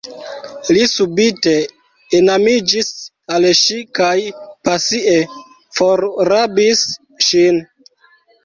Li subite enamiĝis al ŝi kaj pasie forrabis ŝin.